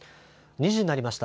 ２時になりました。